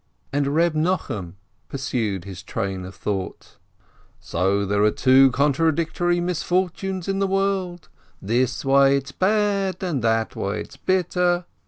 And Reb Nochum pursued his train of thought : "So there are two contrary misfortunes in the world : this way it's bad, and that way it's bitter!